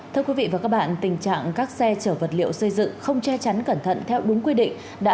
thưa quý vị và các bạn tình trạng các xe chở vật liệu xây dựng không che chắn cẩn thận theo đúng quy định